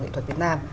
nghệ thuật việt nam